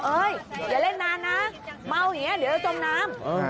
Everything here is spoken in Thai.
อย่าเล่นนานนะเมาอย่างนี้เดี๋ยวจะจมน้ำ